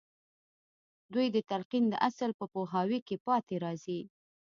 دوی د تلقين د اصل په پوهاوي کې پاتې راځي.